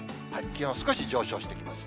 気温、少し上昇してきます。